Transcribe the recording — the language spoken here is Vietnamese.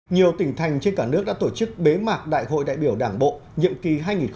nhiều tỉnh thành trên cả nước đã tổ chức bế mạc đại hội đại biểu đảng bộ nhiệm kỳ hai nghìn hai mươi hai nghìn hai mươi năm